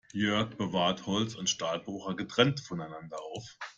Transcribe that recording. Jörg bewahrt Holz- und Stahlbohrer getrennt voneinander auf.